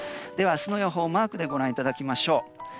明日の予報、マークでご覧いただきましょう。